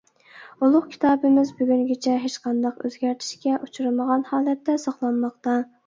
ئۇلۇغ كىتابىمىز بۈگۈنگىچە ھېچقانداق ئۆزگەرتىشكە ئۇچرىمىغان ھالەتتە ساقلانماقتا.